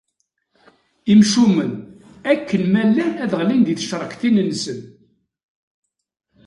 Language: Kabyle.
Imcumen, akken ma llan ad ɣlin di tcerktin-nsen.